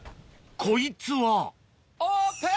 こいつはオープン！